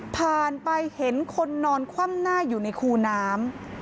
ผ่านไปเห็นคนนอนคว่ำหน้าอยู่ในคูน้ำ